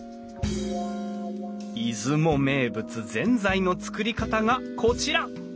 出雲名物ぜんざいの作り方がこちら！